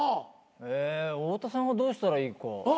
え太田さんがどうしたらいいか。